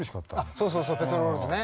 そうそうペトロールズね。